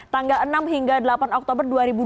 tanggal enam hingga delapan oktober dua ribu dua puluh